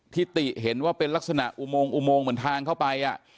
ติเห็นว่าเป็นลักษณะอุโมงอุโมงเหมือนทางเข้าไป